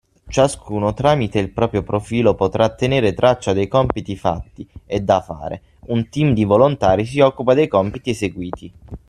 Ciascuno tramite il proprio profilo potrà tenere traccia dei compiti fatti e da fare, un team di volontari si occupa dei compiti eseguiti!